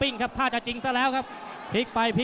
น้ำเงินรอโต